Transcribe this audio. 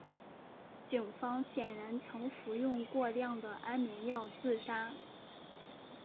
警方显然曾服用过量的安眠药自杀。